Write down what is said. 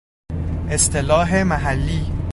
اصطلاح محلی